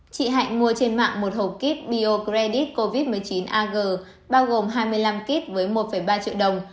chị hạnh mua trên mạng một hộp kit biocredit covid một mươi chín ag bao gồm hai mươi năm kit với một ba triệu đồng